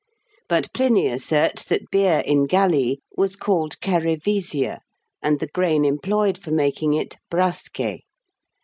But Pliny asserts that beer in Gallie was called cerevisia, and the grain employed for making it brasce.